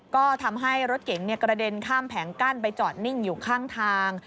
ก็ทำให้รถเก๋งกระเด็นข้ามแผงกั้นไปจอดนิ่งอยู่ข้างทาง